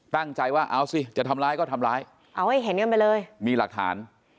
ตั้งใจว่าเอาสิจะทำร้ายก็ทำร้ายเอาให้เห็นกันไปเลยมีหลักฐาน